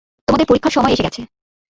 তোমাদের পরীক্ষার সময় এসে গেছে।